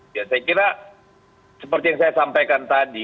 ya saya kira seperti yang saya sampaikan tadi